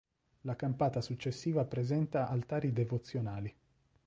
La campata successiva presenta altari devozionali.